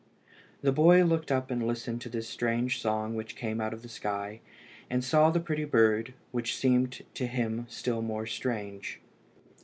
The boy looked up and listened to this strange song which came out of the sky, and saw the pretty bird, which seemed to him still more strange.